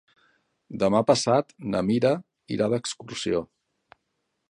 Demà passat na Mira irà d'excursió.